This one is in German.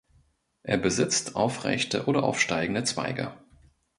Er besitzt aufrechte oder aufsteigende Zweige.